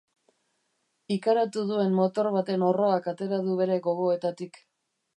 Ikaratu duen motor baten orroak atera du bere gogoetatik.